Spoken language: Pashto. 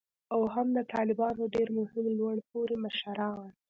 او هم د طالبانو ډیر مهم لوړ پوړي مشران